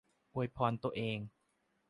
อวยพรตัวเอง